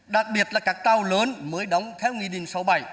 đặc biệt là các tàu lớn mới đóng theo nghị định sáu mươi bảy